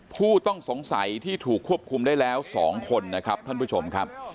ผู้ต้องสงสัยที่ถูกควบคุมได้แล้ว๒คนนะครับท่านผู้ชมครับ